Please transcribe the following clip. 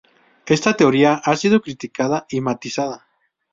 Esta teoría ha sido criticada y matizada.